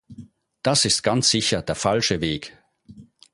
Das ist ganz sicher der falsche Weg!